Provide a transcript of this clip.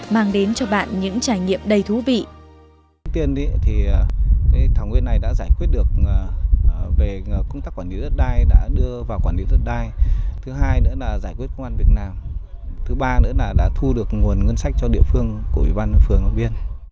mang đến cho bạn những trải nghiệm đầy thú vị